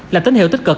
là tín hiệu tích cực